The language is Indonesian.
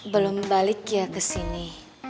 belum balik ya kesini